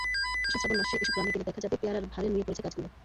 আষাঢ়-শ্রাবণ মাসে এসব গ্রামে গেলে দেখা যাবে পেয়ারার ভারে নুয়ে পড়েছে গাছগুলো।